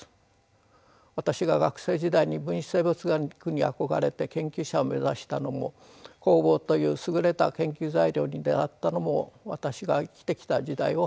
私が学生時代に分子生物学に憧れて研究者を目指したのも酵母という優れた研究材料に出会ったのも私が生きてきた時代を反映しています。